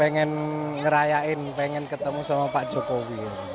ya ingin merayakan ingin ketemu dengan pak jokowi